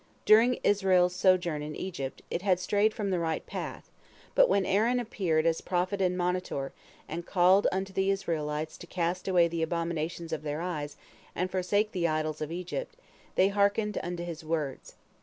During Israel's sojourn in Egypt, it had strayed from the right path, but when Aaron appeared as prophet and monitor, and called unto the Israelites to cast away the abominations of their eyes and forsake the idols of Egypt, they hearkened unto his words.